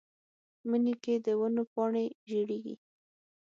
مني کې د ونو پاڼې ژیړیږي